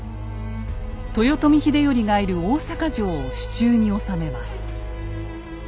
豊臣秀頼がいる大坂城を手中に収めます。